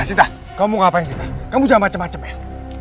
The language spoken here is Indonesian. sinta kamu mau ngapain sinta kamu jadi macam macam ya